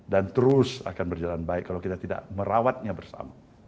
dan terus akan berjalan baik kalau kita tidak merawatnya bersama